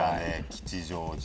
吉祥寺。